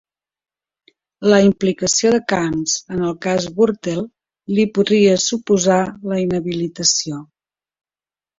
La implicació de Camps en el cas Gürtel li podria suposar la inhabilitació